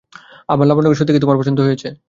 আমার লাবণ্যকে সত্যি কি তোমার পছন্দ হয়েছে।